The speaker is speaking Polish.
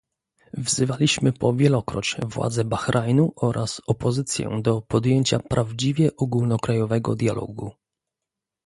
Wzywaliśmy po wielokroć władze Bahrajnu oraz opozycję do podjęcia prawdziwie ogólnokrajowego dialogu